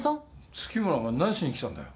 月村お前何しにきたんだよ。